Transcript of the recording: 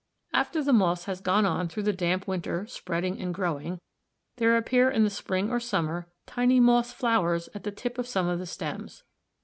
After the moss has gone on through the damp winter spreading and growing, there appear in the spring or summer tiny moss flowers at the tip of some of the stems.